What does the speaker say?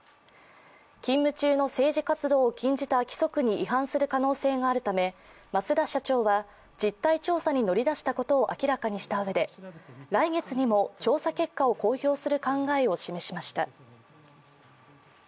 勤務中の政治活動を禁止した規則に違反した可能性があるとして増田社長は実態調査に乗り出したことを明らかにしたうえで来月にも調査結果を公表する考えを示しました。